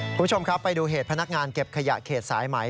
คุณผู้ชมครับไปดูเหตุพนักงานเก็บขยะเขตสายไหม